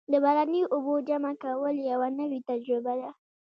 د باراني اوبو جمع کول یوه نوې تجربه ده.